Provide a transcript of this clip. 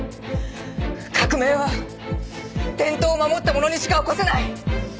革命は伝統を守った者にしか起こせない！